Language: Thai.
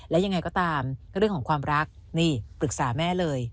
และยังไงก็ตามเรื่องของความรักนี่ปรึกษาแม่เลย